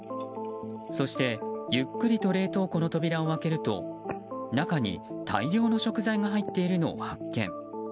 そして、ゆっくりと冷凍庫の扉を開けると中に、大量の食材が入っているのを発見。